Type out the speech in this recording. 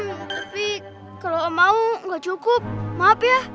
tapi kalau mau nggak cukup maaf ya